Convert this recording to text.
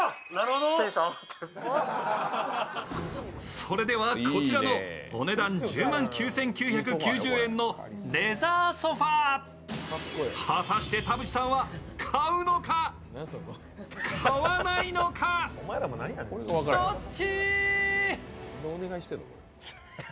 それではこちらのお値段１０万９９００円のレザーソファ、買うのか買わないのかどっち？